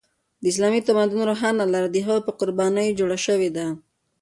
د اسلامي تمدن روښانه لاره د هغوی په قربانیو جوړه شوې ده.